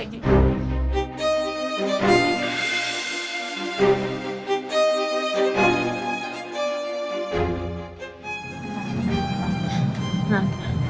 jangan nyebutin nama itu lagi